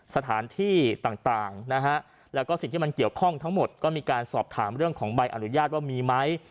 สถานที่ต่างนะฮะแล้วก็สิ่งที่มันเกี่ยวข้องทั้งหมดก็มีการสอบถามเรื่องของใบอนุญาตว่ามีไหม